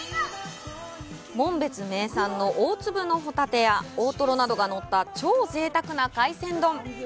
紋別名産の大粒のホタテや大トロなどがのった超ぜいたくな海鮮丼。